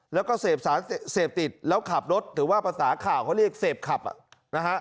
แล้วก็เสพสารเสพติดแล้วขับรถถือว่าภาษาข่าวเขาเรียกเสพขับนะฮะ